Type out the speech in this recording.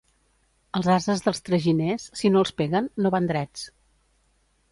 Als ases dels traginers, si no els peguen, no van drets.